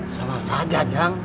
sama saja jang